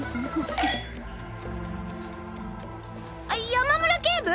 山村警部！？